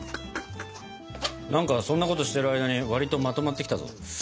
何かそんなことしてる間に割とまとまってきたぞ。